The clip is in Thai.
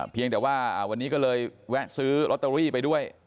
เพียงแต่ว่าวันนี้ก็เลยแวะซื้อลอตเตอรี่ไปด้วย